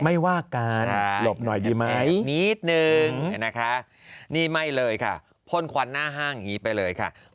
ไม่ว่ากันหลบหน่อยดีไหมนิดนึงนะคะนี่ไม่เลยค่ะพ่นควันหน้าห้างอย่างนี้ไปเลยค่ะ